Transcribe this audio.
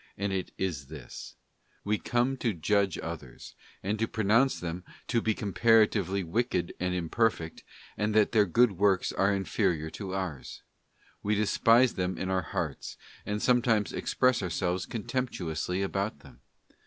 Semeuia and it is this: we come to judge others, and to pronounce them to be comparatively wicked and imperfect, and that their good works are inferior to ours; we despise them in our hearts, and sometimes express ourselves contemptuously about them.